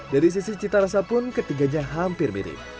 dari sisi cita rasa pun ketiganya hampir mirip